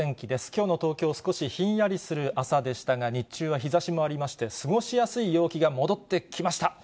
きょうの東京、少しひんやりする朝でしたが、日中は日ざしもありまして、過ごしやすい陽気が戻ってきました。